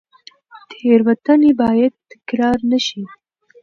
تېروتنې باید تکرار نه شي.